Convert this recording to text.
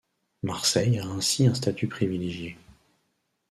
Marseille a ainsi un statut privilégié.